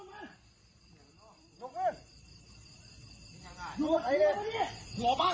โว้มโลม